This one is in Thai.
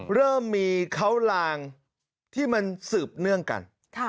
เริ่มมีเขาลางที่มันสืบเนื่องกัน